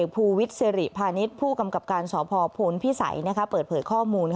ภูวิทย์สิริพาณิชย์ผู้กำกับการสพพลพิสัยเปิดเผยข้อมูล